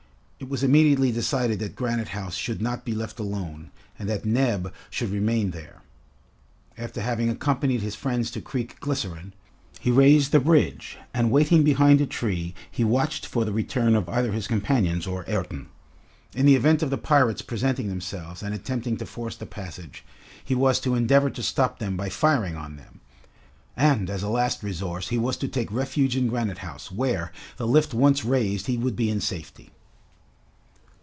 It was immediately decided that Granite House should not be left alone and that Neb should remain there. After having accompanied his friends to Creek Glycerine, he raised the bridge; and waiting behind a tree he watched for the return of either his companions or Ayrton. In the event of the pirates presenting themselves and attempting to force the passage, he was to endeavor to stop them by firing on them, and as a last resource he was to take refuge in Granite House, where, the lift once raised, he would be in safety.